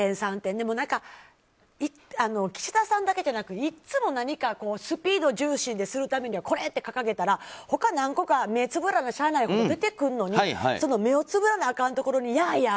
でも、岸田さんだけじゃなくいっつも何かスピード重視にするためにはこれって掲げたら他に何個か目をつぶらないといけないところが出てくるのにその目をつぶらなあかんとこにやあやあ